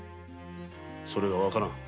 それもわからん。